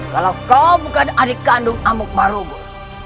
kalau kau bukan adik kandung amuk marubu